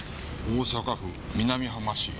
大阪府南浜市？